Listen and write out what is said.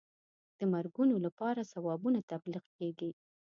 د مرګونو لپاره ثوابونه تبلیغ کېږي.